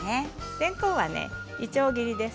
れんこんは、いちょう切りです。